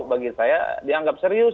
bagi saya dianggap serius